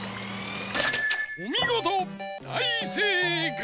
おみごとだいせいかい！